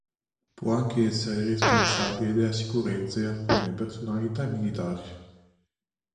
Può anche essere responsabile della sicurezza di alcune personalità militari.